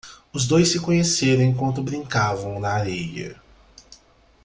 Os dois se conheceram enquanto brincavam na areia.